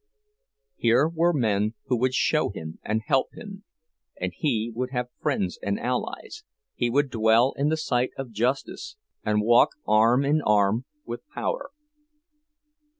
Here were men who would show him and help him; and he would have friends and allies, he would dwell in the sight of justice, and walk arm in arm with power.